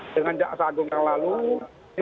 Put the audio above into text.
dengan jaksa agung yang lalu ini